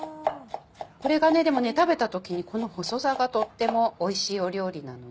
これがね食べた時にこの細さがとってもおいしい料理なので。